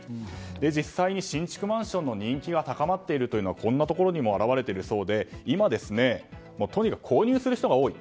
実際に新築マンションの人気が高まっているというのはこんなところにも表れているそうで今、とにかく購入する人が多い。